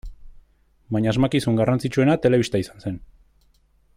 Baina asmakizun garrantzitsuena telebista izan zen.